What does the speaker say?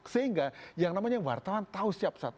sehingga yang namanya wartawan tahu setiap saat